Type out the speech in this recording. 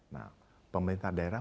nah pemerintah daerah